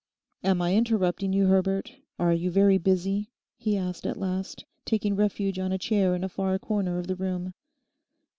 'Am I interrupting you, Herbert; are you very busy?' he asked at last, taking refuge on a chair in a far corner of the room.